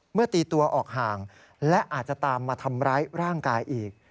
ตีตัวออกห่างและอาจจะตามมาทำร้ายร่างกายอีก